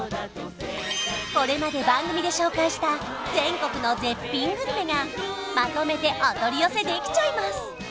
これまで番組で紹介した全国の絶品グルメがまとめてお取り寄せできちゃいます